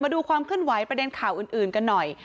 มาดูความขึ้นไหวประเด็นข่าวอื่นกันหน่อย